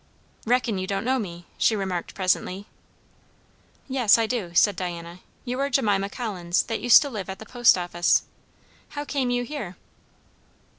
"Reckon you don't know me," she remarked presently. "Yes, I do," said Diana; "you are Jemima Collins, that used to live at the post office. How came you here?"